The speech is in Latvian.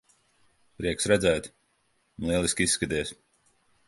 Prieks redzēt. Lieliski izskaties.